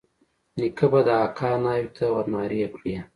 نيکه به د اکا ناوې ته ورنارې کړې.